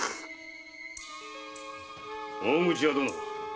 大口屋殿。